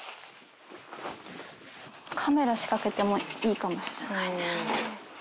カメラ仕掛けてもいいかもしれないね。